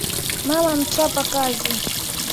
Mama ni mchapa kazi